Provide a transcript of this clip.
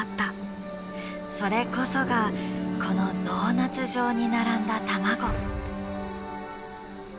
それこそがこのドーナツ状に並んだ卵。